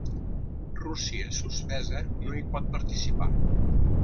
Rússia, suspesa, no hi pot participar.